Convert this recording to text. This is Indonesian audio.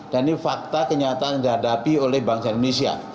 dan ini fakta kenyataan yang dihadapi oleh bangsa indonesia